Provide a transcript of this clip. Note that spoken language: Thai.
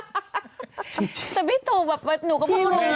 แต่พี่ตูแบบหนูก็พูดเลย